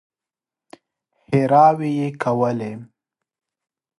ښېراوې يې کولې.